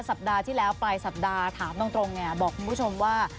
สัปดาห์ที่แล้วปลายสัปดาห์ถามตรงบอกคุณผู้ชมว่า